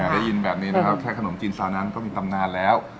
ได้ยินแบบนี้นะครับแค่ขนมจีนซาวนั้นก็มีตำนานแล้ว